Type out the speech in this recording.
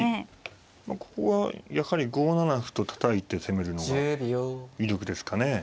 ここはやはり５七歩とたたいて攻めるのが有力ですかね。